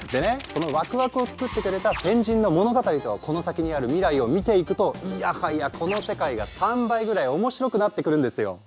そのワクワクを作ってくれた先人の物語とこの先にある未来を見ていくといやはやこの世界が３倍ぐらい面白くなってくるんですよ！